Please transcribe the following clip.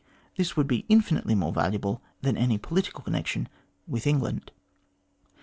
This would be infinitely more valuable than any political connection with England.